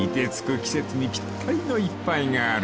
季節にぴったりの一杯がある］